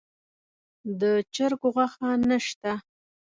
د چرګ غوښه نه شته.